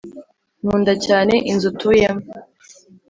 Nkunda cyane inzu utuyemo .